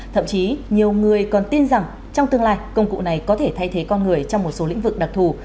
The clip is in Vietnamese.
thậm chí nhiều người còn tin rằng trong tương lai công cụ này có thể thay thế con người trong một số lĩnh vực đặc thù